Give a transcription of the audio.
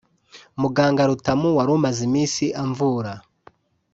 Muganga Rutamu wari umaze iminsi amvura